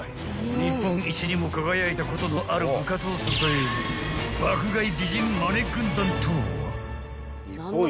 ［日本一にも輝いたことのある部活を支える爆買い美人マネ軍団とは？］